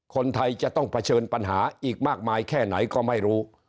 คนไทยจะต้องเผชิญปัญหาอีกมากมายแค่ไหนก็ไม่รู้